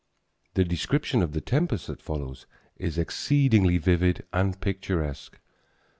The description of the tempest that follows is exceedingly vivid and picturesque.